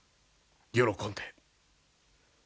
喜んで。